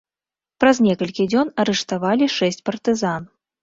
Праз некалькі дзён арыштавалі шэсць партызан.